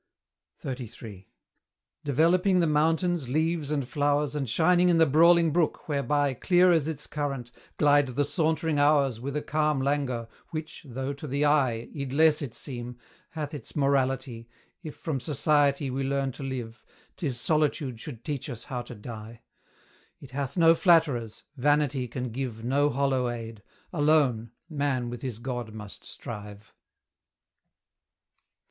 XXXIII. Developing the mountains, leaves, and flowers And shining in the brawling brook, where by, Clear as its current, glide the sauntering hours With a calm languor, which, though to the eye Idlesse it seem, hath its morality, If from society we learn to live, 'Tis solitude should teach us how to die; It hath no flatterers; vanity can give No hollow aid; alone man with his God must strive: XXXIV.